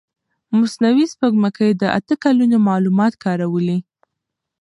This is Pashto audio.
مصنوعي سپوږمکۍ د اته کلونو معلومات کارولي.